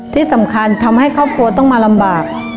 ที่สำคัญทำให้ครอบครัวต้องมาลำบาก